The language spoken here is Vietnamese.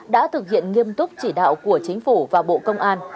đã thực hiện nghiêm túc chỉ đạo của chính phủ và bộ công an